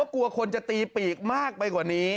กลัวคนจะตีปีกมากไปกว่านี้